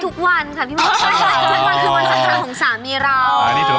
ทุกวันคือวันสำคัญของสามีเรา